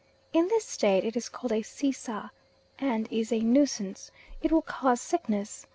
In this state it is called a Sisa, and is a nuisance. It will cause sickness.